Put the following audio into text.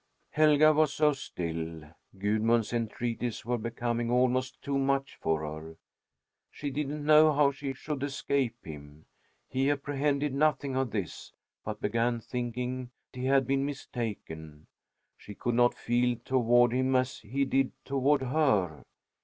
Helga was so still! Gudmund's entreaties were becoming almost too much for her. She didn't know how she should escape him. He apprehended nothing of this, but began thinking he had been mistaken. She could not feel toward him as he did toward her.